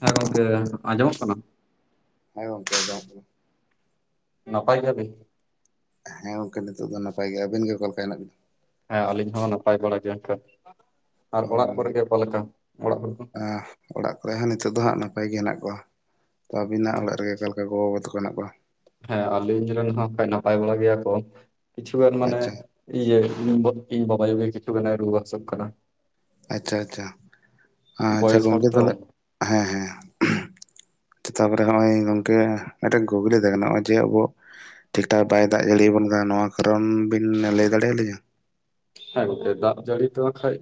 ᱦᱮᱸ ᱜᱚᱝᱠᱮ ᱟᱸᱡᱚᱢᱚᱜ ᱠᱟᱱᱟ᱾ ᱦᱮ ᱜᱚᱝᱠᱮ ᱟᱸᱡᱚᱢᱚᱜ ᱠᱟᱱᱟ᱾ ᱱᱟᱯᱟᱭ ᱜᱤᱭᱟ ᱵᱤᱱ? ᱦᱮᱸ ᱜᱚᱝᱠᱮ ᱱᱤᱛᱚᱜ ᱫᱚ ᱱᱟᱯᱟᱭ ᱜᱮᱭᱟ᱾ ᱟᱹᱵᱤᱱ ᱜᱮ ᱚᱠᱟ ᱞᱮᱠᱟ ᱦᱮᱱᱟᱜ ᱵᱤᱱᱟ? ᱦᱮᱸ ᱟᱹᱞᱤᱧ ᱦᱚᱸ ᱱᱟᱯᱟᱭ ᱵᱟᱲᱟ ᱜᱮᱭᱟᱠᱟ᱾ ᱟᱨ ᱚ ᱚᱲᱟᱜ ᱠᱚᱨᱮ ᱜᱮ ᱚᱠᱟ ᱞᱮᱠᱟ ᱚᱲᱟᱜ ᱠᱚᱨᱮ ᱫᱚ? ᱟᱸ ᱚᱲᱟᱜ ᱠᱚᱨᱮ ᱦᱚᱸ ᱱᱤᱛᱚᱜ ᱫᱚ ᱦᱟᱜ ᱱᱟᱯᱟᱭ ᱜᱮ ᱦᱮᱱᱟᱜ ᱠᱚᱣᱟ ᱛᱚ᱾ ᱟᱹᱵᱤᱱᱟᱜ ᱚᱲᱟᱜ ᱨᱮᱜᱮ ᱚᱠᱟᱞ ᱞᱮᱠᱟ ᱜᱚ-ᱵᱟᱵᱟ ᱛᱟᱠᱚ ᱦᱮᱱᱟᱜ ᱠᱚᱣᱟ? ᱦᱮᱸ ᱟᱹᱞᱤᱧ ᱨᱮᱱ ᱦᱚᱸ ᱱᱟᱠᱷᱟᱡ ᱱᱟᱯᱟᱭ ᱵᱟᱲᱟ ᱜᱮᱭᱟ ᱠᱚ ᱠᱤᱪᱷᱩ ᱜᱟᱱ ᱢᱟᱱᱮ ᱟᱪᱪᱷᱟ ᱤᱭᱟᱹ ᱤᱧ ᱵᱟᱵᱟᱭᱩ ᱠᱤᱪᱷᱩ ᱜᱟᱱᱮ ᱨᱩᱣᱟᱹ ᱦᱟᱹᱥᱩᱜ ᱠᱟᱱᱟ᱾ ᱟᱪᱪᱷᱟ ᱟᱪᱪᱷᱟ ᱟᱪᱪᱷᱟ ᱵᱚᱭᱮᱥ ᱦᱚᱲ ᱜᱚᱢᱠᱮ ᱛᱚ ᱛᱟᱦᱚᱞᱮ ᱦᱮᱸ ᱦᱮᱸ᱾ ᱛᱟᱨᱯᱚᱨᱮ ᱦᱜ-ᱚᱭ ᱜᱚᱢᱠᱮ ᱢᱤᱫᱴᱟᱝ ᱠᱩᱠᱞᱤ ᱛᱟᱦᱮ ᱠᱟᱱᱟ ᱦᱚᱜ-ᱚᱭ ᱡᱮ ᱟᱵᱩ ᱴᱷᱤᱠ ᱴᱷᱟᱠ ᱵᱟᱭ ᱫᱟᱜ ᱡᱟᱹᱲᱤᱭᱟᱵᱚᱱ ᱠᱟᱱᱟ ᱱᱚᱣᱟ ᱠᱟᱨᱚᱱ ᱵᱤᱱ ᱞᱟᱹᱭ ᱫᱟᱲᱮᱭᱟᱞᱤᱧᱟ? ᱦᱮᱸ ᱜᱚᱝᱠᱮ ᱫᱟᱜ ᱡᱟᱹᱲᱤ ᱫᱚ ᱵᱟᱠᱷᱟᱡ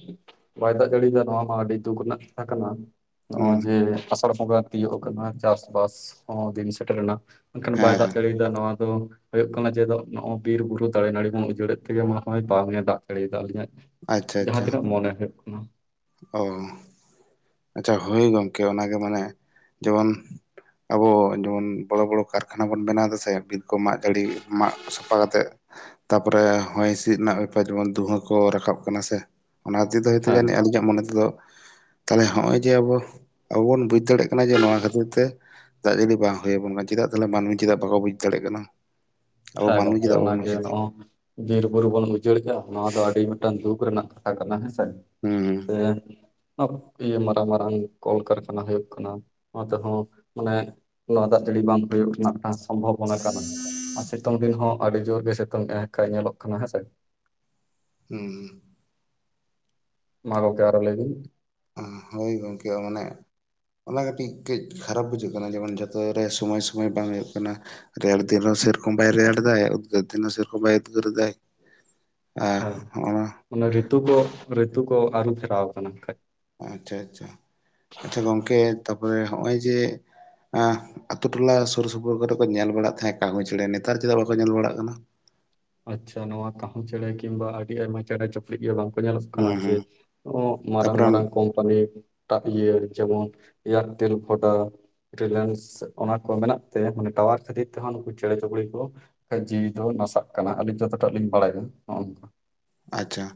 ᱵᱟᱭ ᱫᱟᱜ ᱡᱟᱹᱲᱤᱭᱟ ᱱᱚᱣᱟ ᱢᱟ ᱟᱹᱰᱤ ᱫᱩᱠ ᱨᱮᱱᱟᱜ ᱠᱟᱛᱷᱟ ᱠᱟᱱᱟ᱾ ᱱᱚᱜ-ᱚᱭ ᱦᱮᱸ ᱡᱮ ᱟᱥᱟᱲ ᱵᱚᱸᱜᱟ ᱛᱤᱭᱳᱜ ᱠᱟᱱᱟ ᱪᱟᱥᱵᱟᱥ ᱦᱚᱸ ᱫᱤᱱ ᱥᱮᱴᱮᱨᱮᱱᱟ᱾ ᱠᱷᱟᱱ ᱵᱟᱭ ᱦᱮᱸ ᱫᱟᱜ ᱦᱮᱸ ᱡᱟᱹᱲᱤ ᱱᱚᱣᱟ ᱫᱚ ᱦᱩᱭᱩᱜ ᱠᱟᱱᱟ ᱡᱮ ᱱᱚᱜ-ᱚᱭ ᱵᱤᱨ ᱵᱩᱨᱩ ᱫᱟᱨᱮ ᱱᱟᱹᱲᱤ ᱵᱚᱱ ᱩᱡᱟᱹᱲᱮᱫ ᱛᱮᱜᱮ ᱢᱚᱬᱮ ᱦᱚᱭ ᱵᱟᱝ ᱮ ᱫᱟᱜ ᱫᱟᱲᱮ ᱠᱟᱜ ᱟᱹᱞᱤᱧᱟᱜ ᱟᱪᱪᱷᱟ ᱡᱟᱦᱟᱸ ᱟᱪᱪᱷᱟ ᱛᱤᱱᱟᱹᱜ ᱢᱚᱱᱮ ᱦᱩᱭᱩᱜ ᱠᱟᱱᱟ᱾ ᱚ ᱟᱪᱪᱷᱟ ᱦᱳᱭ ᱜᱚᱢᱠᱮ ᱚᱱᱟᱜᱮ ᱢᱟᱱᱮ ᱡᱮᱢᱚᱱ ᱟᱵᱚ ᱡᱮᱢᱚᱱ ᱵᱚᱲᱚ ᱵᱚᱲᱚ ᱠᱟᱨᱠᱷᱟᱱᱟ ᱵᱚᱱ ᱵᱮᱱᱟᱣ ᱫᱟᱥᱮ ᱠᱚ ᱢᱟᱜ ᱡᱟᱹᱲᱤ ᱢᱟᱜ ᱥᱟᱯᱷᱟ ᱠᱟᱛᱮ ᱛᱟᱯᱚᱨᱮ ᱦᱚᱭ ᱦᱤᱥᱤᱫ ᱨᱮᱱᱟᱜ ᱵᱮᱯᱟᱨ ᱡᱮᱢᱚᱱ ᱫᱩᱦᱟᱹ ᱠᱚ ᱨᱟᱠᱟᱵ ᱠᱟᱱᱟ ᱥᱮ ᱚᱱᱟ ᱛᱮ ᱫᱚ ᱦᱚᱛᱮ ᱦᱮᱸ ᱟᱹᱞᱤᱧ ᱤᱧᱟᱹᱜ ᱢᱚᱱᱮ ᱛᱮᱫᱚ ᱛᱟᱦᱚᱞᱮ ᱦᱚᱜ-ᱚᱭ ᱡᱮ ᱟᱵᱚ ᱟᱵᱚ ᱵᱚᱱ ᱵᱩᱡᱽ ᱫᱟᱲᱮᱭᱟᱜ ᱠᱟᱱᱟ ᱡᱮ ᱱᱚᱣᱟ ᱠᱷᱟᱹᱛᱤᱨ ᱛᱮ ᱫᱟᱜ ᱡᱟᱹᱲᱤ ᱵᱟᱝ ᱦᱩᱭ ᱟᱵᱚᱱ ᱠᱟᱱᱟ ᱪᱮᱫᱟᱜ ᱛᱟᱦᱞᱮ ᱢᱟᱹᱱᱢᱤ ᱪᱮᱫᱟᱜ ᱵᱟᱠᱚ ᱵᱩᱡᱽ ᱫᱟᱲᱮᱭᱟᱜ ᱠᱟᱱᱟ᱾ ᱟᱵᱚ ᱦᱮᱸ ᱢᱟᱹᱱᱢᱤ ᱜᱚᱝᱠᱮ ᱪᱮᱫᱟᱜ ᱵᱟᱵᱚᱱ ᱚᱱᱟᱜᱮ ᱵᱩᱡᱽ ᱮᱫᱟ ᱱᱚᱜ-ᱚ ᱵᱤᱨᱵᱩᱨᱩ ᱵᱚᱱ ᱩᱡᱟᱹᱲ ᱫᱟ ᱱᱚᱣᱟ ᱫᱚ ᱟᱹᱰᱤ ᱢᱤᱫᱴᱟᱝ ᱫᱩᱠ ᱨᱮᱱᱟᱜ ᱠᱟᱛᱷᱟ ᱠᱟᱱᱟ ᱦᱮᱸᱥᱮ᱾ ᱦᱩᱸ, [unintelligible] ᱤᱭᱟᱹ ᱢᱟᱨᱟᱝ ᱢᱟᱨᱟᱝ ᱠᱚᱞᱠᱟᱨᱠᱷᱟᱱᱟ ᱦᱩᱭᱩᱜ ᱠᱟᱱᱟ ᱚᱱᱟ ᱛᱮᱦᱚᱸ ᱢᱟᱱᱮ, ᱱᱚᱣᱟ ᱫᱟᱜ ᱡᱟᱹᱲᱤ ᱵᱟᱝ ᱦᱩᱭᱩᱜ ᱨᱮᱱᱟᱜ ᱢᱤᱫᱴᱟᱝ ᱥᱚᱢᱵᱷᱚᱵᱚᱱᱟ ᱠᱟᱱᱟ᱾ ᱟᱨ ᱥᱤᱛᱩᱝ ᱫᱤᱱ ᱦᱚᱸ ᱟᱹᱰᱤ ᱡᱳᱨ ᱜᱮ ᱥᱤᱛᱩᱝ ᱮ ᱠᱷᱟᱱ ᱧᱮᱞᱚᱜ ᱠᱟᱱᱟ ᱦᱮᱸᱥᱮ᱾ ᱦᱩᱸᱻ, ᱢᱟ ᱜᱚᱝᱠᱮ ᱟᱨᱚ ᱞᱟᱹᱭᱵᱤᱱ? ᱦᱳᱭ ᱜᱚᱢᱠᱮ ᱢᱟᱱᱮ ᱚᱱᱟ ᱠᱟᱹᱴᱤᱡ ᱠᱟᱹᱡ ᱠᱷᱟᱨᱟᱯ ᱵᱩᱡᱷᱟᱹᱜ ᱠᱟᱱᱟ ᱡᱮᱢᱚᱱ ᱡᱚᱛᱚ ᱨᱮ ᱥᱚᱢᱚᱭ ᱥᱚᱢᱚᱭ ᱵᱟᱝ ᱦᱩᱭᱩᱜ ᱠᱟᱱᱟ᱾ ᱨᱮᱭᱟᱲ ᱫᱤᱱ ᱦᱚᱸ ᱥᱮᱨᱚᱠᱚᱢ ᱵᱟᱭ ᱨᱮᱭᱟᱲ ᱟᱫᱟ ᱩᱫᱽᱜᱟᱹᱨ ᱫᱤᱱ ᱦᱚᱸ ᱥᱮᱨᱚᱠᱚᱢ ᱵᱟᱭ ᱩᱫᱽᱜᱟᱹᱨ ᱫᱟᱭ᱾ ᱟᱦ ᱦᱚᱜ-ᱚᱭ, ᱚᱱᱟ ᱨᱤᱛᱩ ᱠᱚ ᱨᱤᱛᱩ ᱠᱚ ᱟᱨᱦᱩ ᱯᱷᱮᱨᱟᱣ ᱟᱠᱟᱱᱟ ᱠᱷᱟᱡ, ᱟᱪᱪᱷᱟ ᱟᱪᱪᱷᱟ ᱟᱪᱪᱷᱟ ᱜᱚᱝᱠᱮ ᱛᱟᱨᱯᱚᱨᱮ ᱦᱚᱜ-ᱚᱭ ᱡᱮ ᱟᱛᱩ ᱴᱚᱞᱟ ᱥᱩᱨ ᱥᱩᱯᱩᱨ ᱠᱚᱨᱮ ᱠᱚ ᱧᱮᱞ ᱵᱟᱲᱟᱜ ᱛᱟᱦᱮᱸᱫ ᱠᱟᱦᱩ ᱪᱮᱸᱬᱮ ᱱᱮᱛᱟᱨ ᱪᱮᱫᱟᱜ ᱵᱟᱠᱚ ᱧᱮᱞ ᱵᱟᱲᱟᱜ ᱠᱟᱱᱟ? ᱟᱪᱪᱷᱟ ᱱᱚᱣᱟ ᱠᱟᱹᱦᱩ ᱪᱮᱬᱮ ᱠᱤᱢᱵᱟ ᱟᱹᱰᱤ ᱟᱭᱢᱟ ᱪᱮᱬᱮ ᱵᱟᱝᱠᱚ ᱧᱮᱞᱚᱜ ᱠᱟᱱᱟ ᱦᱩᱸ ᱡᱮ ᱦᱩᱸ ᱢᱟᱨᱟᱝ ᱛᱟᱯᱚᱨᱮ ᱢᱟᱨᱟᱝ ᱠᱚᱢ ᱠᱚᱢᱯᱟᱱᱤ ᱢᱟᱜ ᱤᱭᱟᱹ ᱡᱮᱢᱚᱱ ᱮᱭᱟᱨᱴᱮᱞ ᱵᱷᱳᱰᱟ ᱨᱤᱞᱮᱱᱥ ᱚᱱᱟ ᱠᱚ ᱢᱮᱱᱟᱜ ᱛᱮ ᱢᱟᱱᱮ ᱴᱟᱣᱟᱨ ᱠᱷᱟᱹᱛᱤᱨ ᱛᱮᱦᱚᱸ ᱱᱩᱠᱩ ᱪᱮᱬᱮ ᱪᱩᱯᱲᱤ ᱠᱚ, ᱡᱤᱣᱤ ᱫᱚ ᱱᱟᱥᱟᱜ ᱠᱟᱱᱟ ᱟᱹᱞᱤᱧ ᱡᱚᱛᱚᱴᱟᱜ ᱞᱤᱧ ᱵᱟᱲᱟᱭᱟ ᱱᱚᱜ-ᱚ ᱱᱚᱝᱠᱟ, ᱟᱪᱪᱷᱟ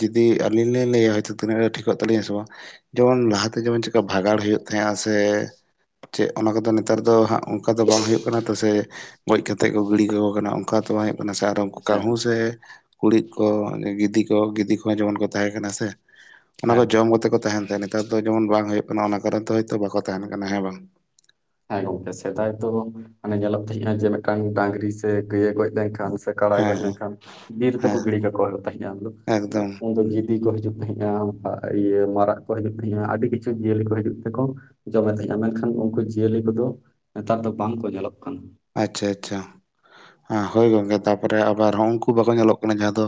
ᱡᱩᱫᱤ ᱟᱹᱞᱤᱧ ᱞᱤᱧ ᱞᱟᱹᱭ ᱟᱭ ᱛᱤᱱᱟᱹᱜ ᱴᱷᱤᱠᱚᱜ ᱛᱟᱹᱞᱤᱧᱟ ᱥᱮ ᱵᱟᱝ ᱡᱮᱢᱚᱱ ᱞᱟᱦᱟᱛᱮ ᱡᱮᱢᱚᱱ ᱪᱮᱠᱟ ᱵᱷᱟᱜᱟᱲ ᱦᱩᱭᱩᱜ ᱛᱟᱦᱮᱸᱜ-ᱟ ᱥᱮ ᱪᱮᱫ ᱚᱱᱟ ᱠᱚᱫᱚ ᱱᱮᱛᱟᱨ ᱫᱚ ᱦᱟᱸᱜ ᱚᱱᱠᱟ ᱫᱚ ᱵᱟᱝ ᱦᱩᱭᱩᱜ ᱠᱟᱱᱟ ᱛᱮ ᱥᱮ ᱜᱚᱡ ᱠᱟᱛᱮᱫ ᱠᱚ ᱜᱤᱲᱤ ᱠᱟᱠᱚ ᱠᱟᱱᱟ ᱚᱱᱠᱟ ᱛᱚ ᱵᱟᱝ ᱦᱩᱭᱩᱜ ᱠᱟᱱᱟ ᱥᱮ ᱟᱨ ᱦᱮᱸ ᱠᱟᱹᱦᱩ ᱥᱮ ᱠᱩᱲᱤᱫ, ᱠᱚ ᱜᱤᱫᱤ, ᱠᱚ ᱜᱤᱫᱤ, ᱠᱚᱦᱚᱸ ᱡᱮᱢᱚᱱ ᱠᱚ ᱛᱟᱦᱮᱸ ᱠᱟᱱᱟ ᱥᱮ ᱚᱱᱟ ᱦᱮᱸ ᱠᱚ ᱡᱚᱢ ᱠᱟᱛᱮ ᱠᱚ ᱛᱟᱦᱮᱱ ᱛᱟᱭᱟ ᱱᱮᱛᱟᱨ ᱫᱚ ᱡᱮᱢᱚᱱ ᱵᱟᱝ ᱦᱩᱭᱩᱜ ᱠᱟᱱᱟ ᱚᱱᱟ ᱠᱟᱨᱚᱱ ᱫᱚᱭᱛᱳ ᱵᱟᱠᱚ ᱛᱟᱦᱮᱱ ᱠᱟᱱᱟ ᱦᱮᱸ ᱵᱟᱝ᱾ ᱦᱮᱸ ᱜᱚᱝᱠᱮ ᱥᱮᱫᱟᱭ ᱫᱚ ᱢᱟᱱᱮ ᱧᱮᱞᱚᱜ ᱛᱟᱦᱮᱸᱜ-ᱟ ᱡᱮ ᱢᱤᱫᱴᱟᱝ ᱰᱟᱝᱨᱤ ᱥᱮ ᱜᱟᱹᱭ ᱮ ᱜᱚᱡ ᱞᱮᱱᱠᱷᱟᱱ ᱥᱮ ᱠᱟᱲᱟᱭ ᱦᱮᱸ ᱜᱚᱡ ᱦᱮᱸ ᱞᱮᱱᱠᱷᱟᱱ ᱵᱤᱨ ᱛᱮ ᱠᱚ ᱦᱮᱸ ᱜᱤᱲᱤ ᱠᱟᱠᱚ ᱛᱟᱦᱮᱱᱟ, ᱟᱢ ᱫᱚ ᱮᱠᱫᱚᱢ ᱩᱱ ᱫᱚ ᱜᱤᱫᱤ ᱠᱚᱤᱡᱩᱜ ᱦᱟᱡᱩᱜ ᱛᱟᱦᱮᱸᱜ-ᱟ ᱤᱭᱟᱹ ᱢᱟᱨᱟᱜ ᱠᱚ ᱦᱤᱡᱩᱜ ᱛᱟᱦᱮᱸᱜ-ᱟ ᱟᱹᱰᱤ ᱠᱤᱪᱷᱩ ᱡᱤᱭᱟᱹᱞᱤ ᱠᱚ ᱦᱤᱡᱩᱜ ᱛᱮᱠᱚ, ᱡᱚᱢᱮᱫ ᱛᱟᱦᱮᱸ-ᱟ ᱢᱮᱱᱠᱷᱟᱱ ᱩᱱᱠᱩ ᱡᱤᱭᱟᱹᱞᱤ ᱠᱚᱫᱚ ᱱᱮᱛᱟᱨ ᱫᱚ ᱵᱟᱝ ᱠᱚ ᱧᱮᱞᱚᱜ ᱠᱟᱱᱟ᱾ ᱟᱪᱪᱷᱟ ᱟᱪᱪᱷᱟ ᱦᱳᱭ ᱜᱚᱝᱠᱮ ᱛᱟᱨᱯᱚᱨᱮ ᱟᱵᱟᱨ ᱦᱚᱸ ᱩᱱᱠᱩ ᱵᱟᱠᱚ ᱧᱮᱞᱚᱜ ᱠᱟᱱᱟ ᱡᱟᱦᱟᱸ ᱫᱚ,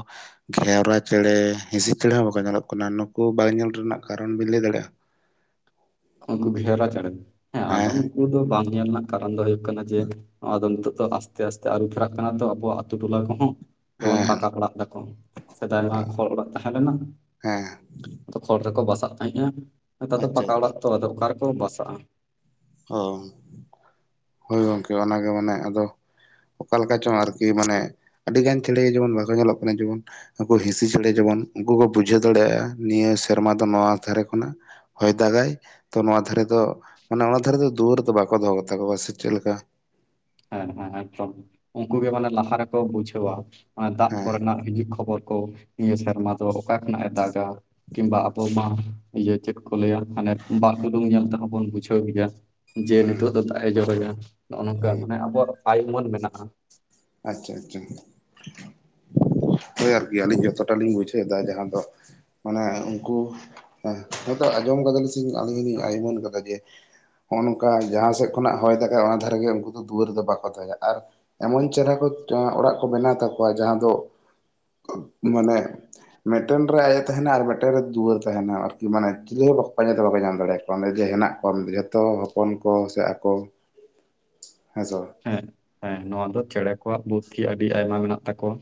ᱜᱷᱮᱣᱨᱟ ᱪᱮᱬᱮ ᱦᱤᱸᱥᱤᱫ ᱪᱮᱬᱮ ᱦᱚᱸ ᱵᱟᱠᱚ ᱧᱮᱞᱚᱜ ᱠᱟᱱᱟ ᱱᱩᱠᱩ ᱵᱟᱝ ᱧᱮᱞ ᱨᱮᱱᱟᱜ ᱠᱟᱨᱚᱱ ᱵᱤᱱ ᱞᱟᱹᱭ ᱫᱟᱲᱮᱭᱟᱜ-ᱟ? [inaudible] ᱩᱱᱠᱩ ᱜᱷᱮᱣᱨᱟ ᱪᱮᱬᱮ ᱦᱮᱸ ᱟᱫᱚ ᱩᱱᱠᱩ ᱫᱚ ᱵᱟᱝ ᱧᱮᱞ ᱨᱮᱱᱟᱜ ᱠᱟᱨᱚᱱ ᱫᱚ ᱦᱩᱭᱩᱜ ᱠᱟᱱᱟ ᱡᱮ ᱱᱚᱣᱟ ᱫᱚ ᱱᱤᱛᱚᱜ ᱫᱚ ᱟᱥᱛᱮ ᱟᱥᱛᱮ ᱟᱹᱨᱩ ᱯᱷᱮᱨᱟᱜ ᱠᱟᱱᱟ ᱛᱚ ᱟᱵᱚᱣᱟ ᱟᱛᱩ ᱴᱚᱞᱟ ᱠᱚᱦᱚᱸ ᱡᱮᱢᱚᱱ ᱦᱮᱸ ᱯᱟᱠᱟ ᱚᱲᱟᱜ ᱫᱟᱠᱚ, ᱥᱮᱫᱟᱭᱢᱟ ᱦᱮᱸ ᱠᱷᱚᱲ ᱚᱲᱟᱜ ᱛᱟᱦᱮᱸ ᱞᱮᱱᱟ, ᱦᱮᱸ ᱟᱫᱚ ᱠᱷᱚᱲ ᱨᱮᱠᱚ ᱵᱟᱥᱟᱜ ᱛᱟᱦᱮᱸ-ᱟ ᱱᱮᱛᱟᱨ ᱫᱚ ᱟᱪᱪᱷᱟ ᱯᱟᱠᱟ ᱟᱪᱪᱷᱟ ᱚᱲᱟᱜ ᱛᱚ ᱟᱫᱚ ᱚᱠᱟ ᱨᱮᱠᱚ ᱵᱟᱥᱟᱜ-ᱟ᱾ ᱦᱮᱸ ᱦᱳᱭ ᱜᱚᱢᱠᱮ ᱚᱱᱟᱜᱮ ᱢᱟᱱᱮ ᱟᱫᱚ, ᱚᱠᱟ ᱞᱮᱠᱟ ᱪᱚᱝ ᱟᱨᱠᱤ ᱢᱟᱱᱮ ᱟᱹᱰᱤ ᱜᱟᱱ ᱪᱮᱬᱮ ᱡᱮᱢᱚᱱ ᱵᱟᱥ ᱧᱮᱞᱚᱜ ᱠᱟᱱᱟ ᱡᱮᱢᱚᱱ ᱩᱱᱠᱩ ᱦᱤᱸᱥᱤ ᱪᱮᱬᱮ ᱡᱮᱢᱚᱱ ᱩᱱᱠᱩ ᱠᱚ ᱵᱩᱡᱷᱟᱹᱣ ᱫᱟᱲᱮᱭᱟᱜ-ᱟ ᱱᱤᱭᱟᱹ ᱥᱮᱨᱢᱟ ᱫᱚ ᱱᱚᱣᱟ ᱫᱷᱟᱨᱮ ᱠᱷᱚᱱᱟᱜ ᱦᱚᱭ ᱫᱟᱜᱟᱭ ᱛᱚ ᱱᱚᱣᱟ ᱫᱷᱟᱨᱮ ᱫᱚ ᱢᱟᱱᱮ ᱚᱱᱟ ᱫᱷᱟᱨᱮ ᱫᱚ ᱫᱩᱣᱟᱹᱨ ᱫᱚ ᱵᱟᱠᱚ ᱫᱚᱦᱚ ᱠᱟᱛᱟ ᱠᱚᱣᱟ ᱥᱮ ᱪᱮᱫ ᱞᱮᱠᱟ᱾ ᱦᱮᱸ ᱦᱮᱸ ᱮᱠᱫᱚᱢ ᱩᱱᱠᱩ ᱜᱮ ᱢᱟᱱᱮ ᱞᱟᱦᱟ ᱨᱮᱠᱚ ᱵᱩᱡᱷᱟᱹᱣᱟ, ᱫᱟᱜ ᱦᱮᱸ ᱠᱚᱨᱮᱱᱟᱜ ᱦᱤᱡᱩᱜ ᱠᱷᱚᱵᱚᱨ ᱠᱚ ᱱᱤᱭᱟᱹ ᱥᱮᱨᱢᱟ ᱫᱚ ᱚᱠᱟ ᱠᱷᱚᱱᱟᱜ ᱮ ᱫᱟᱜ ᱟ᱾ ᱠᱤᱢᱵᱟ ᱦᱮᱸ ᱟᱵᱚ ᱢᱟ ᱤᱭᱟᱹ ᱪᱮᱫ ᱠᱚ ᱞᱟᱹᱭ ᱟ ᱢᱟᱱᱮ ᱵᱟᱜ ᱰᱩᱞᱩᱝ ᱧᱮᱞ ᱛᱮᱦᱚᱸ ᱵᱚᱱ ᱵᱩᱡᱷᱟᱹᱣ ᱜᱮᱭᱟ᱾ ᱡᱮ ᱱᱤᱛᱚᱜ ᱦᱮᱸ ᱫᱚ ᱫᱟᱜ ᱮ ᱡᱚᱨᱟ ᱱᱚᱜ-ᱟᱭ ᱱᱚᱝᱠᱟ ᱢᱟᱱᱮ ᱟᱵᱚᱣᱟᱜ ᱟᱭ ᱩᱢᱟᱹᱱ ᱢᱮᱱᱟᱜ-ᱟ᱾ ᱟᱪᱪᱷᱟ ᱟᱪᱪᱷᱟ ᱦᱳᱭ ᱟᱨᱠᱤ ᱟᱹᱞᱤᱧ ᱡᱚᱛᱚᱴᱟ ᱞᱤᱧ ᱵᱩᱡᱷᱟᱹᱣ ᱫᱟ ᱡᱟᱦᱟᱸ ᱫᱚ ᱢᱟᱱᱮ ᱩᱱᱠᱩᱸ ᱦᱚᱭᱛᱚ ᱟᱸᱡᱚᱢ ᱠᱟᱫᱟᱞ ᱟᱞᱤᱧ ᱦᱚᱸᱞᱤᱧ ᱟᱭᱢᱟᱹᱱ ᱠᱟᱫᱟ ᱡᱮ ᱦᱚᱜ ᱱᱚᱝᱠᱟ ᱡᱟᱦᱟᱸ ᱥᱮᱫ ᱠᱷᱚᱱᱟᱜ ᱦᱚᱭ ᱫᱟᱜ ᱚᱱᱟ ᱫᱷᱟᱨᱮᱜ ᱜᱮ ᱩᱱᱠᱩ ᱫᱚ ᱫᱩᱣᱟᱹᱨ ᱫᱚ ᱵᱟᱠᱚ ᱫᱟᱦᱮᱸ ᱟ ᱟᱨ ᱮᱢᱚᱱ ᱪᱮᱨᱦᱟ ᱠᱚ ᱚᱲᱟᱜ ᱠᱚ ᱵᱮᱱᱟᱣ ᱛᱟᱠᱚᱣᱟ ᱡᱟᱦᱟᱸ ᱫᱚ ᱢᱟᱱᱮ ᱢᱤᱫᱴᱮᱱ ᱨᱮ ᱟᱡ ᱮ ᱛᱟᱦᱮᱱᱟ ᱟᱨ ᱢᱤᱫᱴᱮᱱ ᱨᱮ ᱫᱩᱣᱟᱹᱨ ᱛᱟᱦᱮᱱᱟ ᱟᱨᱠᱤ ᱢᱟᱱᱮ ᱪᱤᱞᱤ ᱦᱚᱸ ᱯᱟᱸᱡᱟ ᱛᱮ ᱵᱟᱠᱚ ᱧᱟᱢ ᱫᱟᱲᱮᱭᱟᱜ-ᱟ। ᱚᱸᱰᱮᱡᱮ ᱦᱮᱱᱟᱜ ᱠᱚᱣᱟ ᱡᱚᱛᱚ ᱦᱚᱯᱚᱱ ᱠᱚ ᱥᱮ ᱟᱠᱚ ᱦᱮᱸᱥᱮ ᱵᱟᱝ ᱦᱮᱸ ᱦᱮᱸ ᱱᱚᱶᱟ ᱫᱚ ᱪᱮᱬᱮ ᱠᱚᱣᱟᱜ ᱵᱩᱫᱽᱫᱷᱤ ᱟᱹᱰᱤ ᱟᱭᱢᱟ ᱢᱮᱱᱟᱜ ᱛᱟᱠᱚᱣᱟ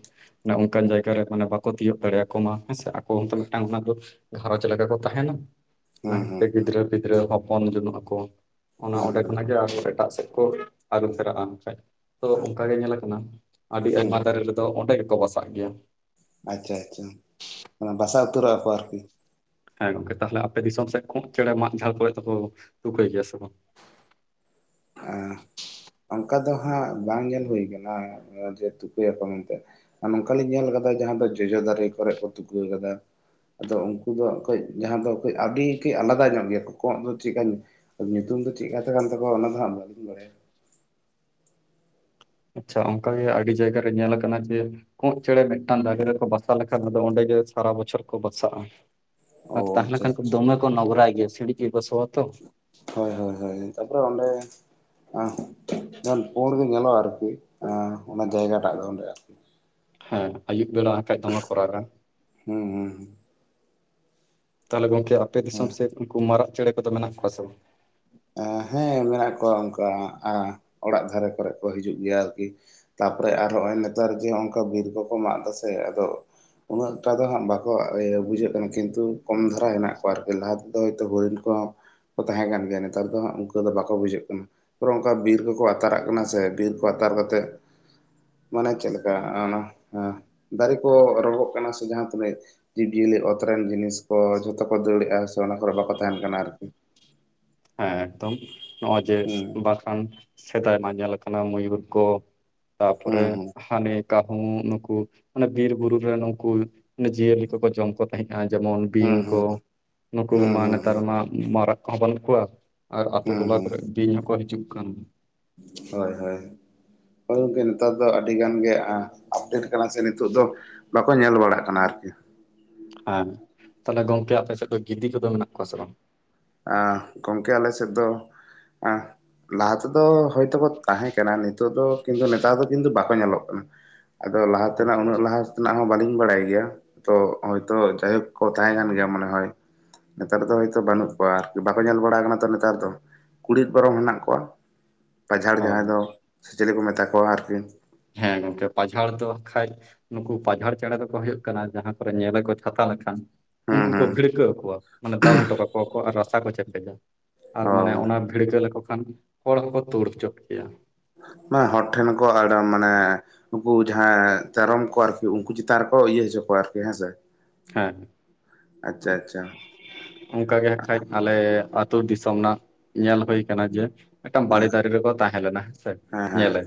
ᱢᱟᱱᱮ ᱚᱱᱠᱟᱱ ᱡᱟᱭᱜᱟ ᱨᱮ ᱢᱟᱱᱮ ᱠᱚ ᱛᱤᱭᱳᱜ ᱫᱟᱲᱮᱭᱟᱠᱚ ᱢᱟ ᱦᱮᱸ ᱥᱮ ᱟᱠᱚ ᱦᱚᱸᱛᱚ ᱢᱤᱫᱴᱟᱝ ᱚᱲᱟᱜ ᱫᱩᱣᱟᱹᱨ ᱜᱷᱟᱸᱨᱚᱧᱡᱽ ᱞᱮᱠᱟ ᱠᱚ ᱛᱟᱦᱮᱸᱱᱟ᱾ ᱚᱱᱟ ᱵᱟᱝ ᱠᱷᱟᱹᱛᱤᱨ ᱛᱮ ᱦᱩᱸ ᱦᱩᱸ ᱜᱤᱫᱽᱨᱟᱹ ᱯᱤᱫᱽᱨᱟᱹ ᱦᱚᱯᱚᱱ ᱡᱟᱹᱱᱩᱜ ᱟᱠᱚ ᱚᱱᱟ ᱦᱩᱸ ᱚᱸᱰᱮ ᱦᱩᱸ ᱦᱩᱸ ᱠᱷᱚᱱᱟᱜ ᱜᱮ ᱟᱨ ᱦᱚᱸ ᱮᱴᱟᱜ ᱥᱮᱫ ᱠᱚ ᱟᱨᱩ ᱯᱷᱮᱨᱟᱜ-ᱟ ᱠᱷᱟᱡ ᱛᱚ ᱚᱱᱠᱟ ᱜᱮ ᱧᱮᱞ ᱟᱠᱟᱱᱟ ᱟᱹᱰᱤ ᱦᱩᱸ ᱟᱭᱢᱟ ᱫᱟᱨᱮ ᱨᱮ ᱟᱫᱚ ᱚᱸᱰᱮ ᱜᱮᱠᱚ ᱵᱟᱥᱟᱜ ᱜᱮᱭᱟ ᱟᱪᱪᱷᱟ ᱟᱪᱪᱷᱟ ᱚᱱᱟ ᱵᱟᱥᱟ ᱩᱛᱟᱹᱨᱚᱜ-ᱟ ᱠᱚ ᱟᱨᱠᱤ ᱦᱮᱸ ᱜᱚᱝᱠᱮ ᱛᱟᱦᱚᱞᱮ ᱟᱯᱮ ᱫᱤᱥᱚᱢ ᱥᱮᱫ ᱠᱚᱸᱜ ᱪᱮᱬᱮ ᱢᱟᱜ ᱡᱷᱟᱲ ᱠᱚᱨᱮ ᱫᱚᱠᱚ ᱛᱩᱠᱟᱹᱭ ᱜᱮᱭᱟ ᱥᱮ ᱵᱟᱝ? ᱚᱱᱠᱟ ᱫᱚ ᱦᱟᱸᱜ ᱵᱟᱝ ᱧᱮᱞ ᱦᱩᱭ ᱠᱟᱱᱟ ᱱᱚᱜ-ᱚᱭ ᱡᱮ ᱛᱩᱠᱟᱹᱭ ᱟᱠᱚ ᱢᱮᱱᱛᱮ ᱱᱚᱝᱠᱟ ᱞᱤᱧ ᱧᱮᱞ ᱠᱟᱫᱟ ᱡᱟᱦᱟᱸ ᱫᱚ ᱡᱚᱡᱚ ᱫᱟᱨᱮ ᱠᱚᱨᱮᱜ ᱠᱚ ᱛᱩᱠᱟᱹ ᱠᱟᱫᱟ ᱟᱫᱚ ᱩᱱᱠᱩ ᱫᱚ ᱠᱟᱹᱡ ᱡᱟᱦᱟᱸ ᱫᱚ ᱠᱟᱹᱡ ᱟᱹᱰᱤ ᱠᱟᱹᱡ ᱟᱞᱟᱫᱟ ᱧᱚᱜ ᱜᱮᱭᱟ ᱠᱚ ᱠᱚᱸᱜ ᱫᱚ ᱪᱮᱫᱠᱟ ᱟᱫᱚ ᱧᱩᱛᱩᱢ ᱫᱚ ᱪᱮᱫ ᱠᱟᱛᱷᱟ ᱠᱟᱱ ᱛᱟᱠᱚᱣᱟ ᱚᱱᱟ ᱫᱚᱜ ᱵᱟᱹᱞᱤᱧ ᱵᱟᱲᱟᱭᱟ᱾ ᱟᱪᱪᱷᱟ ᱚᱱᱠᱟᱜᱮ ᱟᱹᱰᱤ ᱡᱟᱭᱜᱟᱨᱮ ᱧᱮᱞ ᱠᱟᱱᱟ ᱡᱮ ᱠᱚᱸᱜ ᱪᱮᱬᱮ ᱢᱤᱫᱴᱟᱝ ᱫᱟᱨᱮ ᱨᱮᱠᱚ ᱵᱟᱥᱟ ᱞᱮᱠᱷᱟᱱ ᱟᱫᱚ ᱚᱸᱰᱮ ᱜᱮ ᱥᱟᱨᱟ ᱵᱚᱪᱷᱚᱨ ᱠᱚ ᱵᱟᱥᱟᱜ-ᱟ᱾ ᱟᱨ ᱚ ᱛᱟᱦᱮᱸ ᱟᱪᱪᱷᱟ ᱞᱮᱠᱷᱟᱱ ᱠᱚ ᱟᱪᱪᱷᱟ ᱫᱚᱢᱮ ᱠᱚ ᱱᱚᱜᱨᱟᱭ ᱜᱮᱭᱟ ᱥᱤᱲᱤᱡ ᱜᱮᱠᱚ ᱥᱚᱣᱟ ᱛᱚ ᱦᱳᱭ ᱦᱳᱭ ᱦᱳᱭ ᱛᱟᱯᱚᱨᱮ ᱚᱸᱰᱮ ᱟ ᱯᱳᱲ ᱜᱮ ᱧᱮᱞᱚᱜᱼᱟ ᱟᱨᱠᱤ, ᱟᱸ ᱚᱱᱟ ᱡᱟᱭᱜᱟ ᱴᱟᱜ ᱫᱚ ᱚᱸᱰᱮ᱾ [inaudible] ᱦᱮᱸ ᱟᱭᱩᱵ ᱵᱮᱲᱟ ᱠᱷᱟᱡ ᱫᱚᱢᱮ ᱠᱚ ᱨᱟᱜᱟ। ᱦᱩᱸ- ᱦᱩᱸ- ᱦᱩᱸ ᱛᱟᱦᱚᱞᱮ ᱜᱚᱝᱠᱮ ᱟᱯᱮ ᱦᱩᱸ ᱫᱤᱥᱚᱢ ᱥᱮᱫ ᱩᱱᱠᱩ ᱢᱟᱨᱟᱜ ᱪᱮᱬᱮ ᱠᱚᱫᱚ ᱢᱮᱱᱟᱜ ᱠᱚᱣᱟ ᱥᱮ ᱵᱟᱝ? ᱟ ᱦᱮᱸ ᱢᱮᱱᱟᱜ ᱠᱚᱣᱟ ᱚᱱᱠᱟ ᱚᱲᱟᱜ ᱫᱷᱟᱨᱮ ᱠᱚᱨᱮ ᱠᱚ ᱦᱤᱡᱩᱜ ᱜᱮᱭᱟ ᱟᱨᱠᱤ᱾ ᱛᱟᱨᱯᱚᱨᱮ ᱟᱨ ᱱᱚᱜᱼᱚᱭ ᱱᱮᱛᱟᱨ ᱡᱮ ᱦᱚᱸᱜᱼᱚᱝᱠᱟ ᱵᱤᱨ ᱠᱚᱼᱠᱚ ᱢᱟᱜ ᱫᱟᱥᱮ ᱟᱫᱚ᱾ ᱩᱱᱟᱹᱜ ᱴᱟᱜ ᱫᱚ ᱦᱟᱸᱜ ᱵᱟᱠᱚ ᱤᱭᱟᱹ ᱵᱩᱡᱷᱟᱹᱜ ᱠᱟᱱᱟ ᱠᱤᱱᱛᱩ ᱠᱚᱢ ᱫᱷᱟᱨᱟ ᱦᱮᱱᱟᱜ ᱠᱚᱣᱟ ᱟᱨᱠᱤ ᱞᱟᱦᱟ᱾ ᱦᱚᱭᱛᱳ ᱦᱚᱨᱤᱱ ᱠᱚᱦᱚᱸ ᱠᱚ ᱛᱟᱦᱮᱸ ᱠᱟᱱ ᱜᱮᱭᱟ᱾ ᱱᱮᱛᱟᱨ ᱫᱚ ᱩᱱᱠᱩ ᱫᱚ ᱵᱟᱠᱚ ᱵᱩᱡᱷᱟᱹᱜ ᱠᱟᱱᱟ᱾ ᱯᱚᱨᱮ ᱚᱱᱠᱟ ᱵᱤᱨ ᱠᱚᱠᱚ ᱟᱛᱟᱨᱟᱜ ᱠᱟᱱᱟ ᱥᱮ, ᱵᱤᱨ ᱠᱚ ᱟᱛᱟᱨ ᱠᱟᱛᱮᱜ ᱢᱟᱱᱮ ᱪᱮᱫ ᱞᱮᱠᱟ ᱚᱱᱟ ᱫᱟᱨᱮ ᱠᱚ ᱨᱚᱸᱜᱚᱜ ᱠᱟᱱᱟ ᱥᱮ ᱡᱟᱦᱟᱸ ᱛᱤᱱᱟᱹᱜ ᱡᱤᱵᱽᱡᱤᱭᱟᱹᱞᱤ ᱚᱛᱨᱮᱱ ᱡᱤᱱᱤᱥ ᱠᱚ ᱡᱷᱚᱛᱚ ᱠᱚ ᱫᱟᱹᱲᱮᱜᱼᱟ᱾ ᱥᱮ ᱚᱱᱟ ᱠᱚᱨᱮ ᱵᱟᱠᱚ ᱛᱟᱦᱮᱱ ᱠᱟᱱᱟ ᱟᱨᱠᱤ᱾ ᱦᱮᱸ ᱮᱠᱫᱚᱢ ᱱᱚᱜᱼᱚᱭ ᱡᱮ ᱦᱩᱸ ᱵᱟᱠᱷᱟᱱ ᱥᱮᱫᱟᱭ ᱢᱟ ᱧᱮᱞ ᱟᱠᱟᱱᱟ ᱢᱚᱭᱩᱨ ᱠᱚ᱾ ᱛᱟᱯᱚᱨᱮ ᱦᱩᱸ ᱦᱩᱸ ᱦᱟᱱᱤ ᱠᱟᱸᱦᱩ ᱱᱩᱠᱩ ᱢᱟᱱᱮ ᱵᱤᱨ ᱵᱩᱨᱩ ᱨᱮ ᱩᱱᱠᱩ ᱡᱤᱭᱟᱹᱞᱤ ᱠᱚᱠᱚ ᱡᱚᱢ ᱠᱚ ᱛᱟᱦᱮᱸᱫᱼᱟ ᱡᱮᱢᱚᱱ ᱵᱤᱧ ᱦᱩᱸ ᱠᱚ, ᱦᱩᱸ ᱱᱩᱠᱩ ᱦᱩᱸ ᱦᱩᱸ ᱢᱟ ᱱᱮᱛᱟᱨ ᱦᱩᱸ ᱢᱟ ᱢᱟᱨᱟᱜ ᱠᱚᱦᱚᱸ ᱵᱟᱹᱱᱩᱜ ᱠᱚᱣᱟ᱾ ᱟᱨ ᱟᱹᱛᱩ ᱦᱩᱸ ᱴᱚᱞᱟ ᱦᱩᱸ ᱠᱚᱨᱮ ᱵᱤᱧ ᱦᱚᱸᱠᱚ ᱦᱤᱡᱩᱜ ᱠᱟᱱ᱾ ᱦᱳᱭ ᱦᱳᱭ ᱦᱳᱭ ᱜᱚᱝᱠᱮ ᱱᱮᱛᱟᱨ ᱫᱚ ᱟᱹᱰᱤ ᱜᱟᱱ ᱜᱮ ᱟ ᱟᱯᱰᱮᱴ ᱠᱟᱱᱟ ᱥᱮ ᱱᱤᱛᱚᱜ ᱫᱚ, ᱵᱟᱠᱚ ᱧᱮᱞ ᱵᱟᱲᱟᱜ ᱠᱟᱱᱟ ᱟᱨᱠᱤ᱾ ᱦᱮᱸ ᱛᱟᱦᱚᱞᱮ ᱜᱚᱝᱠᱮ ᱟᱯᱮ ᱥᱮᱫ ᱫᱚ ᱜᱤᱫᱤ ᱠᱚᱫᱚ ᱢᱮᱱᱟᱜ ᱠᱚᱣᱟ ᱥᱮ ᱵᱟᱝ? ᱜᱚᱝᱠᱮ ᱟᱞᱮ ᱥᱮᱫ ᱫᱚ ᱞᱟᱦᱟ ᱛᱮᱫᱚ ᱦᱚᱭ ᱛᱟᱦᱮᱸ ᱠᱟᱱᱟ ᱱᱤᱛᱚᱜ ᱫᱚ ᱠᱤᱱᱛᱩ ᱱᱮᱛᱟᱨ ᱫᱚ ᱠᱤᱱᱛᱩ ᱵᱟᱠᱚ ᱧᱮᱞᱚᱜ ᱠᱟᱱᱟ᱾ ᱟᱫᱚ ᱞᱟᱦᱟ ᱛᱮᱱᱟᱜ ᱩᱱᱟᱹᱜ ᱞᱟᱦᱟ᱾ ᱱᱟᱜ ᱦᱚᱸ ᱵᱟᱞᱤᱧ ᱵᱟᱲᱟᱭ ᱜᱮᱭᱟ ᱛᱚ ᱦᱚᱳᱭᱛᱳ ᱡᱟᱭᱦᱳᱠ ᱠᱚ ᱛᱟᱦᱮᱸ ᱠᱟᱱ ᱜᱮᱭᱟ ᱢᱚᱱᱮ ᱦᱚᱭ ᱱᱮᱛᱟᱨ ᱫᱚ ᱦᱳᱭᱛᱚ ᱵᱟᱹᱱᱩᱜ ᱠᱚᱣᱟ ᱟᱨᱠᱤ ᱵᱟᱠᱚ ᱧᱮᱞ ᱵᱟᱲᱟ ᱠᱟᱱᱟ ᱛᱚ ᱱᱮᱛᱟᱨ ᱫᱚ ᱠᱩᱲᱤᱫ ᱵᱚᱨᱚᱝ ᱦᱮᱱᱟᱜ ᱠᱚᱣᱟ᱾ ᱯᱟᱡᱷᱟᱲ ᱦᱳᱭ ᱡᱟᱦᱟᱸᱭ ᱫᱚ ᱥᱮ ᱪᱤᱞᱤ ᱠᱚ ᱢᱮᱛᱟ ᱠᱚᱣᱟ ᱟᱨᱠᱤ ᱦᱮᱸ ᱜᱚᱝᱠᱮ ᱯᱟᱡᱷᱟᱲ ᱫᱚ ᱠᱷᱟᱡ ᱱᱩᱠᱩ ᱯᱟᱡᱷᱟᱲ ᱪᱮᱸ-ᱬᱮᱸ ᱫᱚᱠᱚ ᱦᱩᱭᱩᱜ ᱠᱟᱱᱟ ᱡᱟᱦᱟᱸ ᱠᱚᱨᱮ ᱧᱮᱞᱮ ᱠᱚ ᱪᱷᱟᱛᱟ ᱞᱮᱠᱷᱟᱱ᱾ ᱦᱩᱸ ᱩᱱᱠᱩ ᱠᱚ ᱦᱩᱸ ᱵᱷᱤᱲᱠᱟᱹᱣ ᱠᱚᱣᱟ, ᱢᱟᱱᱮ ᱫᱟᱞ ᱦᱚᱴᱚ ᱠᱟᱠᱚᱣᱟ ᱠᱚ, ᱟᱨ ᱨᱟᱥᱟ ᱠᱚ ᱪᱮᱯᱮᱡᱟ ᱟᱨ ᱢᱟᱱᱮ ᱚ ᱚᱱᱟ ᱵᱷᱤᱲᱠᱟᱹᱣ ᱞᱮᱠᱚ ᱠᱷᱟᱱ ᱦᱚᱲ ᱦᱚᱸᱠᱚ ᱛᱩᱲ ᱦᱚᱪᱚᱜ ᱜᱮᱭᱟ᱾ ᱢᱟ ᱦᱚᱲ ᱴᱷᱮᱱ ᱦᱚᱸᱠᱚ ᱟᱫᱟ [unintelligible] ᱢᱟᱱᱮ᱾ ᱱᱩᱠᱩ ᱡᱟᱦᱟᱸ ᱛᱮᱭᱨᱚᱢ ᱠᱚ ᱟᱨᱠᱤ ᱩᱱᱠᱩ ᱪᱮᱛᱟᱱ ᱨᱮᱠᱚ ᱤᱭᱟᱹ ᱦᱚᱪᱚ ᱠᱚᱣᱟ᱾ ᱟᱨᱠᱤ ᱦᱮᱸᱥᱮ ᱦᱮᱸ ᱟᱪᱪᱷᱟ ᱟᱪᱪᱷᱟ ᱚᱝᱠᱟ ᱜᱮ ᱦᱟᱸᱜ ᱠᱷᱟᱡ᱾ ᱟᱞᱮ ᱟᱹᱛᱩ ᱫᱤᱥᱚᱢ ᱱᱟᱜ ᱧᱮᱞ ᱦᱩᱭ ᱠᱟᱱᱟ ᱡᱮ ᱢᱤᱴᱟᱝ ᱵᱟᱲᱮ ᱦᱮᱸ ᱫᱟᱨᱮ ᱨᱮᱠᱚ ᱛᱟᱦᱮᱸ ᱞᱮᱱᱟ ᱦᱮᱸᱥᱮ ᱦᱮᱸ ᱦᱮᱸ ᱧᱮᱞᱮ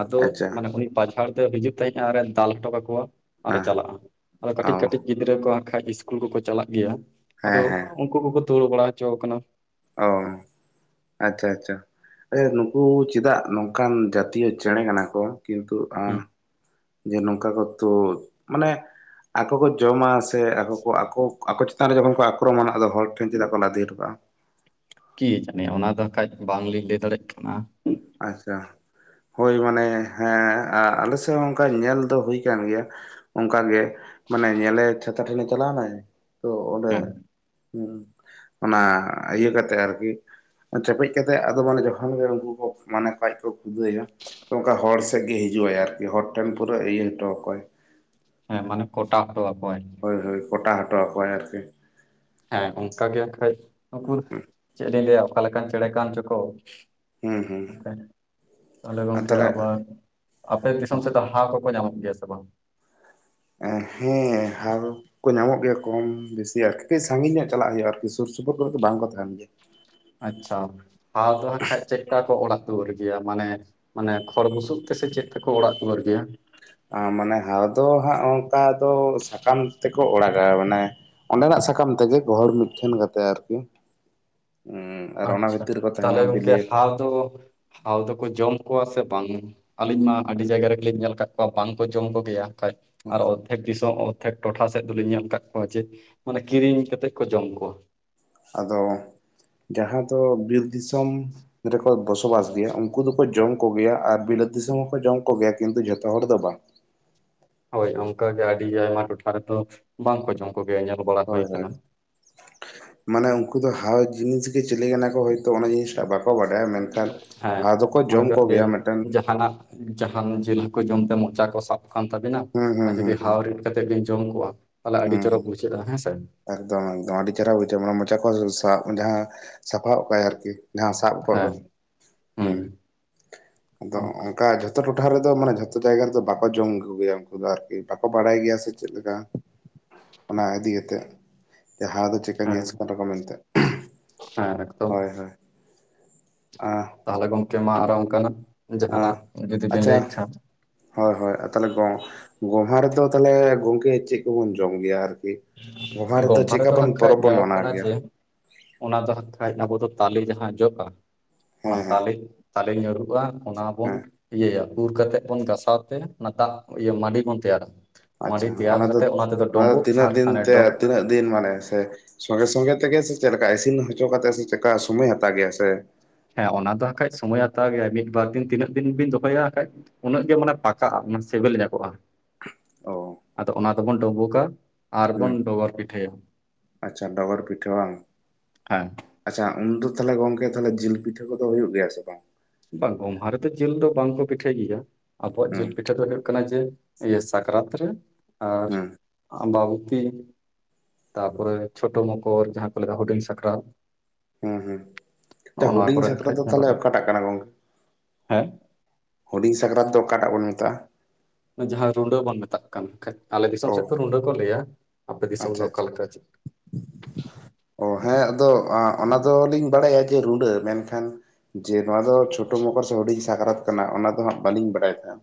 ᱟᱫᱚ ᱟᱪᱪᱷᱟ ᱢᱟᱱᱮ ᱩᱱᱤ ᱯᱟᱡᱷᱟᱲ ᱫᱚ ᱦᱤᱡᱩᱜ ᱛᱮᱡ ᱟᱨᱮ ᱫᱟᱞ ᱦᱚᱴᱚ ᱠᱟᱠᱚᱣᱟ ᱟᱨᱮ ᱦᱮᱸ ᱪᱟᱞᱟᱜ-ᱟ ᱟᱫᱚ ᱚ ᱠᱟᱹᱴᱤᱡ ᱠᱟᱹᱴ ᱜᱤᱫᱽᱨᱟᱹ ᱠᱚ ᱦᱟᱸᱜ ᱠᱷᱟᱡ ᱤᱥᱠᱩᱞ ᱠᱚᱠᱚ ᱪᱟᱞᱟᱜ ᱜᱮᱭᱟ᱾ ᱟᱫᱚ ᱦᱮᱸ ᱦᱮᱸ ᱩᱱᱠᱩ ᱠᱚᱠᱚ ᱛᱳᱲᱩ ᱵᱟᱲᱟ ᱦᱚᱪᱚ ᱠᱟᱱᱟ᱾ ᱚ ᱟᱪᱪᱷᱟ ᱟᱪᱪᱷᱟ ᱱᱩᱠᱩ ᱪᱮᱫᱟᱜ ᱱᱚᱝᱠᱟᱱ ᱡᱟᱛᱤᱭᱚ ᱪᱮᱬᱮ ᱠᱟᱱᱟ ᱠᱚ᱾ ᱠᱤᱱᱛᱩ ᱟ ᱦᱮᱸ ᱡᱮ ᱱᱚᱝᱠᱟ ᱠᱚ ᱛᱳ ᱢᱟᱱᱮ ᱟᱠᱚ ᱠᱚ ᱡᱚᱢᱟ ᱥᱮ ᱟᱠᱚ ᱠᱚ ᱟᱠᱚ ᱟᱠᱚ ᱪᱮᱛᱟᱱ ᱨᱮ ᱡᱚᱠᱷᱚᱱ ᱠᱚ ᱟᱠᱨᱚᱢᱚᱱᱟ ᱟᱫᱚ ᱦᱚᱲ ᱴᱷᱮᱱ ᱪᱮᱫᱟᱜ ᱠᱚ ᱞᱟᱫᱮ ᱦᱚᱴᱚ ᱠᱟᱜ-ᱟ᱾ ᱠᱤ ᱡᱟᱹᱱᱤ ᱚᱱᱟ ᱫᱚ ᱠᱟᱡ ᱵᱟᱝᱞᱤᱧ ᱞᱟᱹᱭ ᱫᱟᱲᱮᱜ ᱠᱟᱱᱟ᱾ ᱟᱪᱪᱷᱟ ᱦᱳᱭ ᱢᱟᱱᱮ ᱦᱮᱸ ᱟᱞᱮᱥᱮᱫ ᱦᱚᱸ ᱚᱝᱠᱟ ᱧᱮᱞ ᱫᱚ ᱦᱩᱭ ᱟᱠᱟᱱ ᱜᱮᱭᱟ᱾ ᱚᱝᱠᱟ ᱜᱮ ᱢᱟᱱᱮ ᱧᱮᱞᱮ ᱪᱷᱟᱛᱟ ᱴᱮᱱᱮ ᱪᱟᱞᱟᱣ ᱱᱟᱭ ᱛᱚ ᱚᱸᱰᱮ ᱦᱮᱸ ᱦᱩᱸ ᱚᱱᱟ ᱤᱭᱟᱹ ᱠᱟᱛᱮ ᱟᱨᱠᱤ ᱪᱮᱯᱮᱡ ᱠᱟᱛᱮᱜ ᱟᱫᱚ ᱢᱟᱱᱮ ᱡᱚᱠᱷᱚᱱ ᱜᱮ ᱩᱱᱠᱩ ᱠᱚ᱾ ᱢᱟᱱᱮ ᱟᱡ ᱠᱚ ᱠᱷᱩᱫᱟᱹᱣ ᱮᱭᱟ᱾ ᱛᱚ ᱚᱞᱠᱟ ᱦᱚᱲ ᱥᱮᱫ ᱜᱮ ᱦᱤᱡᱩ ᱟᱭ ᱟᱨᱠᱤ, ᱾ ᱦᱚᱲ ᱴᱷᱮᱱ ᱯᱩᱨᱟᱹ ᱤᱭᱟᱹ ᱦᱚᱴᱚ ᱟᱠᱚᱣᱟᱭ ᱦᱮᱸ ᱢᱟᱱᱮ ᱠᱚᱴᱟ ᱦᱚᱴᱚ ᱟᱠᱚᱣᱟᱭ᱾ ᱦᱳ ᱦᱳᱭ ᱠᱚᱴᱟ ᱦᱚᱴᱚ ᱟᱠᱚᱣᱟᱭ ᱟᱨᱠᱤ? ᱦᱮᱸ ᱚᱝᱠᱟ ᱜᱮ ᱦᱟᱸᱜ ᱠᱷᱟᱡ ᱱᱩᱠᱩ ᱪᱮᱫ ᱞᱤᱧ ᱞᱟᱹᱭᱟ ᱚᱠᱟ ᱞᱮᱠᱟᱱ ᱪᱮᱬᱮ ᱠᱟᱱ ᱪᱚᱠᱚ᱾ ᱦᱩᱸ ᱦᱩᱸ [unintelligible] ᱛᱟᱦᱚᱞᱮ ᱜᱚᱝᱠᱮ ᱟᱵᱟᱨ, ᱟᱯᱮ ᱫᱤᱥᱚᱢ ᱥᱮᱫ ᱫᱚ ᱦᱟᱣ ᱠᱚᱠᱚ ᱧᱟᱢᱚᱜ ᱜᱮᱭᱟ ᱥᱮ ᱵᱟᱝ? ᱮᱸ ᱦᱮᱸ ᱦᱟᱣ, ᱠᱚ ᱧᱟᱢᱚᱜ ᱜᱮᱭᱟ ᱠᱚᱢ ᱵᱤᱥᱤ ᱟᱨᱠᱤ ᱠᱟᱹᱡ ᱥᱟᱺᱜᱤᱧ ᱧᱚᱜ ᱪᱟᱞᱟᱜ ᱦᱩᱭᱩᱜ-ᱟ ᱟᱨᱠᱤ ᱥᱩᱨ ᱥᱩᱯᱩᱨ ᱠᱚᱨᱮ ᱫᱚ ᱵᱟᱝᱠᱚ ᱛᱟᱦᱮᱱ ᱜᱮᱭᱟ᱾ ᱟᱪᱪᱷᱟ ᱦᱟᱣ ᱫᱚ ᱦᱟᱸᱜ ᱠᱷᱟᱡ ᱪᱮᱫ ᱠᱟ ᱠᱚ ᱚᱲᱟᱜ ᱫᱩᱣᱟᱹᱨ ᱜᱮᱭᱟ ᱢᱟᱱᱮ? ᱢᱟᱱᱮ ᱠᱷᱚᱲ ᱵᱩᱥᱩᱵ ᱛᱮᱥᱮ ᱪᱮᱫ ᱛᱮᱠᱚ ᱚᱲᱟᱜ ᱫᱩᱣᱟᱹᱨ ᱜᱮᱭᱟ? ᱢᱟᱱᱮ ᱦᱟᱣ ᱫᱚ ᱦᱟᱸᱜ ᱚᱝᱠᱟ ᱫᱚ ᱥᱟᱠᱟᱢ ᱛᱮᱠᱚ ᱚᱲᱟᱜᱟ ᱢᱟᱱᱮ? ᱚᱸᱰᱮ ᱱᱟᱜ ᱥᱟᱠᱟᱢ ᱛᱮᱜᱮ ᱜᱚᱦᱚᱲ ᱢᱤᱫ ᱴᱷᱮᱱ ᱠᱟᱛᱮ ᱟᱨᱠᱤ᱾ ᱩᱸ ᱟᱨ ᱚᱱᱟ ᱵᱷᱤᱛᱤᱨ ᱨᱮ ᱠᱚ ᱛᱟᱦᱮᱱᱟ ᱵᱤᱞᱤᱭᱟᱠ, ᱛᱚ ᱦᱟᱣ ᱫᱚᱠᱚ ᱡᱚᱢ ᱠᱚᱣᱟ ᱥᱮ ᱵᱟᱝ? ᱟᱞᱤᱧ ᱢᱟ ᱟᱰᱤ ᱡᱟᱭᱜᱟ ᱨᱮᱜᱮ ᱞᱤᱧ ᱧᱮᱞ ᱠᱟᱜ ᱠᱚᱣᱟ ᱵᱟᱝᱠᱚ ᱡᱚᱢ ᱠᱚᱜᱮᱭᱟ ᱠᱷᱟᱡ ᱟᱨ ᱚᱨᱫᱷᱮᱠ ᱫᱤᱥᱚᱢ ᱴᱚᱴᱷᱟ ᱥᱮᱫ ᱫᱚᱞᱤᱧ ᱧᱮᱞ ᱠᱟᱫ ᱠᱚᱣᱟ ᱡᱮ ᱢᱟᱱᱮ ᱠᱤᱨᱤᱧ ᱠᱟᱛᱮᱫ ᱠᱚ ᱡᱚᱢ ᱠᱚᱣᱟ᱾ ᱟᱫᱚ ᱡᱟᱦᱟᱸ ᱫᱚ ᱵᱤᱨ ᱫᱤᱥᱚᱢ, ᱨᱮᱠᱚ ᱵᱚᱥᱚ ᱵᱟᱥ ᱜᱮᱭᱟ ᱩᱝᱠᱩ ᱫᱚᱠᱚ ᱡᱚᱢ ᱠᱚᱜᱮᱭᱟ ᱟᱨ ᱵᱤᱞᱟᱹᱛ ᱫᱤᱥᱚᱢ ᱦᱚᱸᱠᱚ ᱡᱚᱢ ᱠᱚᱜᱮᱭᱟ ᱠᱤᱱᱛᱩ ᱡᱷᱚᱛᱚ ᱦᱚᱲ ᱫᱚ ᱵᱟᱝ᱾ ᱦᱳᱭ ᱚᱱᱝᱠᱟ ᱜᱮ ᱟᱹᱰᱤ ᱟᱭᱢᱟ ᱴᱚᱴᱷᱟ ᱨᱮᱫᱚ ᱵᱟᱝ ᱠᱚ ᱡᱚᱢ ᱠᱚᱜᱮᱭᱟ ᱧᱮᱞ ᱵᱟᱲᱟ ᱦᱳᱭ ᱠᱟᱱᱟ᱾ ᱢᱟᱱᱮ ᱩᱝᱠᱩ ᱫᱚ ᱦᱟᱣ ᱡᱤᱱᱤᱥ ᱜᱮ ᱪᱤᱞᱤ ᱠᱟᱱᱟ ᱠᱚ ᱦᱚᱭᱛᱚ ᱚᱱᱟ ᱡᱤᱱᱤᱥ ᱴᱟᱜ ᱵᱟ ᱠᱚ ᱵᱟᱰᱟᱭᱟ ᱢᱮᱱᱠᱷᱟᱱ ᱦᱮᱸ ᱦᱟᱣ ᱫᱚᱠᱚ ᱢᱚᱱᱮ ᱡᱚᱢ ᱠᱟᱜ ᱵᱤᱱ ᱠᱚᱜᱮᱭᱟ ᱢᱮᱫᱴᱟᱱ, ᱡᱟᱦᱟᱱᱟᱜ ᱡᱟᱦᱟᱱ ᱡᱤᱞ ᱦᱟᱹᱠᱩ ᱡᱚᱢᱛᱮ ᱢᱚᱪᱟ ᱠᱚ ᱥᱟᱵ ᱠᱟᱱ ᱛᱟᱵᱤᱱᱟ ᱦᱩᱸ ᱟᱨ ᱦᱩᱸ ᱡᱩᱫᱤ ᱦᱩᱸ ᱦᱟᱣ ᱦᱩᱸ ᱨᱤᱫ ᱠᱟᱛᱮ ᱵᱤᱱ ᱡᱚᱢ ᱠᱚᱜᱣᱟ ᱛᱟᱞᱟᱦᱮ ᱟᱹᱰᱤ ᱦᱩᱸ ᱪᱚᱨᱚᱠ ᱦᱩᱸ ᱵᱩᱡᱷᱟᱹᱜ-ᱟ ᱦᱮᱸᱥᱮ? ᱮᱠᱫᱚᱢ ᱮᱠᱫᱚᱢ ᱟᱹᱰᱤ ᱪᱮᱦᱨᱟ ᱵᱩᱡᱷᱟᱹᱜ-ᱟ ᱢᱟᱱᱮ ᱢᱚᱪᱟ ᱠᱚ ᱥᱟᱵ ᱡᱟᱦᱟᱸ ᱥᱟᱯᱷᱟ ᱜᱚᱜ ᱠᱟᱭᱟᱭ ᱟᱨᱠᱤ᱾ ᱡᱟᱦᱟᱸ ᱥᱟᱵ ᱠᱚᱜ ᱫᱚ ᱦᱮᱸ ᱦᱩᱸ ᱟᱫᱚ ᱚᱱᱠᱟ ᱚᱝᱠᱟ ᱡᱚ ᱡᱷᱚᱛᱚ ᱴᱚᱴᱷᱟ ᱨᱮᱫᱚ ᱢᱟᱱᱮ ᱡᱷᱚᱛᱚ ᱡᱟᱭᱜᱟ ᱨᱮᱫᱚ ᱵᱟᱠᱚ ᱡᱚᱢ ᱠᱩᱜᱮᱭᱟ ᱩᱱᱠᱩ ᱫᱚ ᱟᱨᱠᱤ ᱵᱟᱠᱚ ᱵᱟᱲᱟᱭ ᱜᱮᱭᱟ ᱥᱮ ᱪᱮᱫ ᱞᱮᱠᱟ? ᱚᱱᱟ ᱤᱫᱤ ᱠᱟᱛᱮᱫ ᱡᱮ ᱦᱟᱣ ᱫᱚ ᱪᱤᱠᱟᱱ ᱡᱤᱱᱤᱥ ᱦᱮᱸ ᱠᱟᱱᱟ ᱠᱚ ᱢᱮᱱᱛᱮ᱾ ᱦᱮᱸ, ᱦᱳᱭ, ᱟᱸ ᱛᱟᱦᱚᱞᱮ ᱜᱚᱝᱠᱮ ᱢᱟ ᱟᱫᱚ ᱚᱝᱠᱟ ᱜᱮ, ᱚ ᱟᱪᱪᱷᱟ, ᱦᱳᱭ ᱦᱳᱭ ᱛᱟᱦᱚᱞᱮ ᱜᱚᱢᱦᱟ ᱨᱮᱫᱚ ᱛᱟᱦᱚᱞᱮ ᱜᱚᱝᱠᱮ ᱪᱮᱫ ᱠᱚᱵᱚᱱ ᱡᱚᱢ ᱜᱮᱭᱟ ᱟᱨᱠᱤ᱾ ᱜᱚᱢᱦᱟ ᱨᱮᱫᱚ ᱪᱮᱠᱟ ᱵᱚᱱ ᱯᱚᱨᱚᱵᱽ ᱵᱚᱱ ᱢᱟᱱᱟᱣ ᱜᱮᱭᱟ᱾ ᱚᱱᱟᱫᱚ ᱦᱟᱸᱜ ᱠᱷᱟᱡ ᱟᱵᱚ ᱫᱚ ᱛᱟᱞᱮ ᱡᱟᱦᱟᱸ ᱡᱚᱜ-ᱟ ᱚᱱᱟ ᱦᱮᱸ ᱦᱮᱸ ᱛᱟᱞᱮ, ᱛᱟᱞᱮ ᱧᱩᱨᱩᱜ-ᱟ ᱚᱱᱟ ᱵᱚᱱ ᱦᱮᱸ ᱤᱭᱟᱹᱭᱟ ᱩᱨ ᱠᱟᱛᱮᱜ ᱵᱚᱱ ᱜᱟᱥ-ᱟ ᱥᱟᱶᱛᱮ ᱚᱱᱟ ᱫᱟᱜ ᱤᱭᱟᱹ ᱢᱟᱹᱰᱤ ᱵᱚᱱ ᱛᱮᱭᱟᱨᱟ ᱢᱟᱹᱰᱤ ᱟᱪᱪᱷᱟ ᱛᱮᱭᱟᱨ ᱫᱚ ᱠᱟᱛᱮ ᱚᱱᱟ ᱛᱮᱫᱚ ᱰᱩᱸᱵᱩᱜ, ᱛᱤᱱᱟᱹᱜ ᱫᱤᱱ ᱛᱮ ᱛᱤᱱᱟᱹᱜ ᱫᱤᱱ ᱢᱟᱱᱮ ᱥᱮ? ᱥᱚᱸᱜᱮ ᱥᱚᱸᱜᱮ ᱛᱮᱜᱮ ᱥᱮ ᱪᱮᱫᱞᱮᱠᱟ ᱤᱥᱤᱱ ᱦᱚᱪᱚ ᱠᱟᱛᱮ ᱥᱮ ᱪᱮᱫᱠᱟ ᱥᱚᱢᱳᱚᱭ ᱦᱟᱛᱟᱣ ᱜᱮᱭᱟ ᱥᱮ? ᱦᱮᱸ ᱚᱱᱟ ᱫᱚ ᱦᱟᱸᱜᱠᱷᱟᱡ ᱥᱚᱢᱚᱭ ᱦᱟᱛᱟᱣ ᱜᱮᱭᱟ ᱢᱤᱫᱵᱟᱨ ᱫᱤᱱ ᱛᱤᱱᱟᱹᱜ ᱫᱤᱱ ᱵᱤᱱ ᱫᱚᱦᱚᱭᱟ ᱦᱟᱸᱜ ᱠᱷᱟᱡ᱾ ᱩᱱᱟᱹᱜ ᱜᱮ ᱢᱟᱱᱮ ᱯᱟᱠᱟᱜ-ᱟ ᱢᱟᱱᱮ ᱥᱤᱵᱤᱞ ᱡᱟᱠᱚᱜ-ᱟ᱾ ᱚ ᱟᱫᱚ ᱚᱱᱟ ᱫᱚᱵᱚᱱ ᱰᱳᱸᱵᱩᱠᱟ ᱦᱩᱸ ᱟᱨᱵᱚᱱ ᱰᱚᱜᱚᱨ ᱯᱤᱴᱷᱟᱹᱭᱟ᱾ ᱟᱪᱪᱷᱟ ᱰᱚᱜᱚᱨ ᱯᱤᱴᱷᱟᱹ ᱵᱟᱝ? ᱦᱮᱸ ᱟᱪᱪᱷᱟ ᱩᱱᱫᱚ ᱛᱟᱦᱚᱞᱮ ᱜᱚᱝᱠᱮ ᱛᱟᱦᱚᱞᱮ ᱡᱤᱞ ᱯᱤᱴᱷᱟᱹ ᱠᱚᱫᱚ ᱦᱩᱭᱩᱜ ᱜᱮᱭᱟ ᱥᱮ ᱵᱟᱝ? ᱵᱟᱝ ᱜᱚᱢᱦᱟ ᱨᱮᱫᱚ ᱡᱤᱞ ᱫᱚ ᱵᱟᱝᱠᱚ ᱯᱤᱴᱷᱟᱹᱭ ᱜᱮᱭᱟ ᱟᱵᱚᱣᱟᱜ ᱦᱩᱸ ᱡᱤᱞ ᱯᱤᱴᱷᱟᱹ ᱫᱚ ᱦᱩᱭᱩᱜ ᱠᱟᱱᱟ ᱡᱮ, ᱤᱭᱟᱹ ᱥᱟᱠᱨᱟᱛ ᱨᱮ ᱟᱨ ᱦᱩᱸ ᱟᱢᱵᱟᱵᱩᱛᱤ᱾ ᱛᱟᱯᱚᱨᱮ ᱪᱷᱳᱴᱳ ᱢᱚᱠᱚᱨ ᱡᱟᱦᱟᱸ ᱠᱚ ᱞᱟᱹᱭ ᱫᱟ ᱦᱩᱰᱤᱧ ᱥᱟᱠᱨᱟᱛ᱾ ᱦᱩᱸ ᱦᱩᱸ, ᱱᱚᱜᱼᱚ ᱱᱚᱣᱟ ᱦᱩᱰᱤᱧ ᱠᱚᱨᱮ ᱥᱟᱠᱨᱟᱛ ᱠᱷᱟᱡ ᱫᱚ ᱛᱟᱦᱚᱞᱮ ᱧᱮᱞᱚᱜ ᱚᱠᱟᱴᱟᱜ ᱠᱟᱱᱟ ᱜᱚᱝᱠᱮ᱾ ᱦᱮᱸ, ᱦᱩᱰᱤᱧ ᱥᱟᱠᱨᱟᱛ ᱫᱚ ᱚᱠᱟᱴᱟᱜ ᱵᱚᱱ ᱢᱮᱛᱟᱜ-ᱟ? ᱡᱟᱦᱟᱸ ᱨᱩᱸᱰᱟᱹ ᱵᱚᱱ ᱢᱮᱛᱟᱜ ᱠᱟᱱ, ᱟᱞᱮ ᱫᱤᱥᱚᱢ ᱚ ᱥᱮᱫ ᱨᱩᱸᱰᱟᱹ ᱠᱚ ᱞᱟᱹᱭᱟ ᱟᱯᱮ ᱫᱤᱥᱚᱢ ᱫᱚ ᱟᱪᱪᱷᱟ ᱚᱠᱟ ᱟᱪᱪᱷᱟ ᱞᱮᱠᱟ ᱪᱮᱫ? [unintelligible] ᱚ ᱦᱮᱸ ᱟᱫᱚ ᱚᱱᱟ ᱫᱚ ᱞᱤᱧ ᱵᱟᱲᱟᱭᱟ ᱡᱮ ᱨᱩᱸᱰᱟᱹ ᱢᱮᱱ ᱠᱷᱟᱱ ᱡᱮ ᱱᱚᱣᱟ ᱫᱚ ᱪᱷᱳᱴᱳ ᱢᱚᱠᱚᱨ ᱥᱮ ᱦᱩᱰᱤᱧ ᱥᱟᱠᱨᱟᱛ ᱠᱟᱱᱟ ᱚᱱᱟ ᱫᱚ ᱦᱟᱸᱜ ᱵᱟᱹᱞᱤᱧ ᱵᱟᱲᱟᱭ ᱛᱟᱦᱮᱸᱫ᱾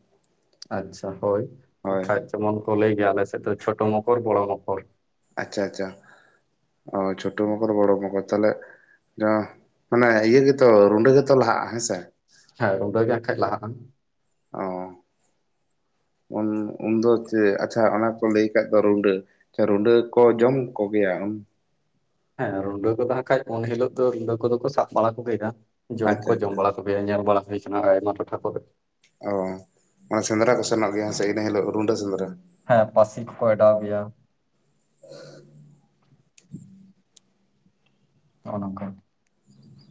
ᱟᱪᱪᱷᱟ ᱦᱳᱭ ᱦᱳᱭ ᱵᱟᱠᱷᱟᱡ ᱡᱮ ᱢᱚᱱ ᱠᱚ ᱞᱟᱹᱭ ᱜᱮᱭᱟ ᱟᱞᱮ ᱥᱮᱫ ᱫᱚ ᱪᱷᱳᱴᱳ ᱢᱚᱠᱚᱨ ᱵᱚᱲᱚ ᱢᱚᱠᱚᱨ ᱟᱪᱪᱷᱟ ᱟᱪᱪᱷᱟ ᱚ ᱪᱷᱳᱴᱳ ᱢᱚᱠᱚᱨ ᱵᱚᱲᱚ ᱢᱚᱠᱚᱨ ᱛᱟᱦᱞᱮ ᱡᱟᱦᱟ ᱢᱟᱱᱮ ᱤᱭᱟᱹ ᱜᱮ ᱛᱚ ᱨᱩᱸᱰᱟᱹ ᱜᱮ ᱛᱚ ᱞᱟᱦᱟᱜ-ᱟ ᱦᱮᱸ ᱥᱮ ᱦᱮᱸ ᱨᱩᱸᱰᱟᱹ ᱜᱮ ᱦᱟᱜ ᱠᱷᱟᱡ ᱞᱟᱦᱟᱜ-ᱟ᱾ ᱚ ᱩᱱ ᱩᱱ ᱫᱚ ᱪᱮᱫ ᱟᱪᱪᱷᱟ ᱚᱱᱟ ᱠᱚ ᱞᱟᱹᱭ ᱟᱠᱟᱫ ᱫᱚ ᱨᱩᱰᱟᱹ ᱟᱪᱪᱷᱟ ᱨᱩᱸᱰᱟᱹ ᱠᱚ ᱡᱚᱢ ᱠᱚ ᱜᱮᱭᱟ᱾ ᱦᱮᱸ ᱨᱩᱰᱟᱹ ᱠᱚ ᱛᱟᱦᱮᱸ ᱠᱷᱟᱡ ᱩᱱ ᱦᱤᱞᱳᱜ ᱫᱚ ᱨᱩᱰᱟᱹ ᱠᱚ ᱫᱚ ᱠᱚ ᱥᱟᱵ ᱵᱟᱲᱟ ᱠᱚ ᱜᱮᱭᱟ ᱡᱚᱢ ᱦᱚ ᱟᱪᱪᱷᱟ ᱠᱚ ᱡᱚᱢ ᱟᱪᱪᱷᱟ ᱵᱟᱲᱟ ᱠᱚ ᱜᱮᱭᱟ ᱧᱮᱞ ᱵᱟᱲᱟ ᱦᱩᱭ ᱠᱟᱱᱟ ᱟᱭᱢᱟ ᱴᱚᱴᱷᱟ ᱠᱚ ᱨᱮ᱾ ᱚᱻ ᱢᱟᱱᱮ ᱥᱮᱸᱫᱽ ᱨᱟ ᱠᱚ ᱥᱮᱱᱚᱜ ᱜᱮᱭᱟ ᱦᱮ ᱥᱮ ᱤᱱᱟᱹ ᱦᱤᱞᱳᱜ ᱨᱩᱰᱟᱹ ᱥᱮᱸᱫᱽ ᱨᱟ ᱦᱮᱸ ᱯᱟᱹᱥᱤ ᱠᱚ ᱠᱚ ᱮᱰᱟᱣ ᱜᱮ ᱭᱟ ᱾ [inaudible] ᱱᱚᱜ-ᱚ ᱱᱚᱝ ᱠᱟ᱾